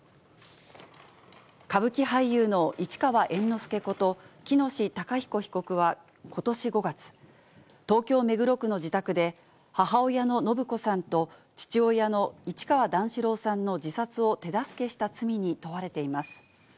歌舞伎俳優の市川猿之助こと喜熨斗孝彦被告は、ことし５月、東京・目黒区の自宅で、母親の延子さんと父親の市川段四郎さんの自殺を手助けした罪に問われています。